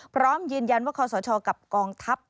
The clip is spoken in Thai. พร้อมยืนยันว่าคอสชกับกองทัพ